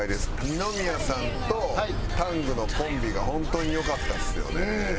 二宮さんとタングのコンビが本当に良かったですよね。